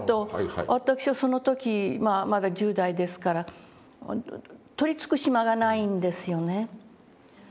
私はその時まだ１０代ですから取りつく島がないんですよね。